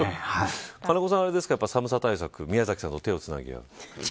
金子さんは寒さ対策宮崎さんと手をつなぎ合う。